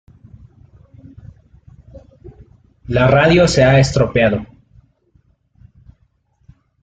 La radio se ha estropeado.